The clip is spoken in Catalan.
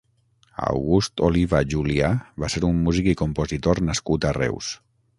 August Oliva Julià va ser un músic i compositor nascut a Reus.